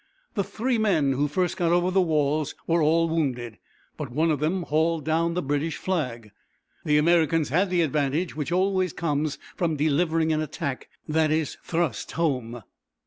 The three men who first got over the walls were all wounded, but one of them hauled down the British flag. The Americans had the advantage which always comes from delivering an attack that is thrust home.